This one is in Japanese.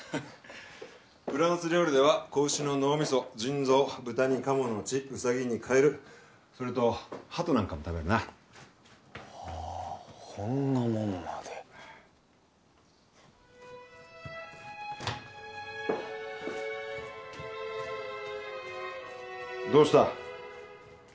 フランス料理では子牛の脳みそ腎臓豚に鴨の血ウサギにカエルそれとハトなんかも食べるなはあほんなものまでどうした？